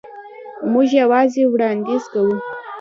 موږ یوازې وړاندیز کوو.